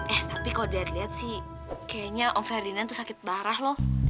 eh tapi kalo dia liat liat sih kayaknya om ferdinand tuh sakit barah loh